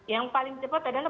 yang paling cepat adalah